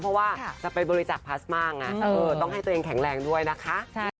เพราะว่าจะไปบริจาคพลาสมาไงต้องให้ตัวเองแข็งแรงด้วยนะคะ